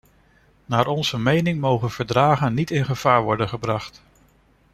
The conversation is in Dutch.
Naar onze mening mogen verdragen niet in gevaar worden gebracht.